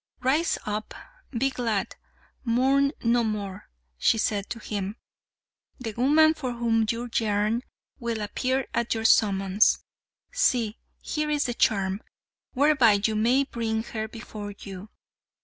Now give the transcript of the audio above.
"Rise up. Be glad. Mourn no more," she said to him. "The woman for whom you yearn will appear at your summons. See, here is the charm, whereby you may bring her before you."